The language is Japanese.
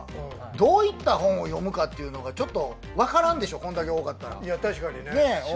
どういった本を読むかというのがちょっとわからんでしょ、これだけ多かったら。